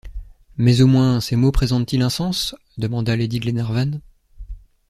Mais au moins, ces mots présentent-ils un sens? demanda lady Glenarvan.